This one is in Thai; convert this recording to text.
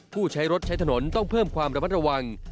ผู้ใช้รถใช้ถนนต้องเพิ่มความระมัดระวัง